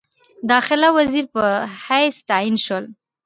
داخله وزیر په حیث تعین شول.